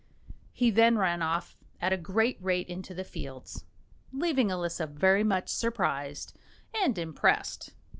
He then ran off at a great rate into the fields, leaving Elisa very much surprised and impressed.